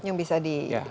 yang bisa di